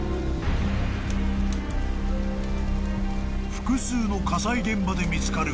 ［複数の火災現場で見つかる］